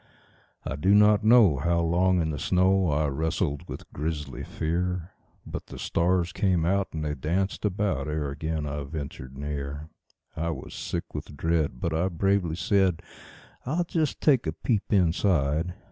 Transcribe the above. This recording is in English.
I do not know how long in the snow I wrestled with grisly fear; But the stars came out and they danced about ere again I ventured near; I was sick with dread, but I bravely said: "I'll just take a peep inside.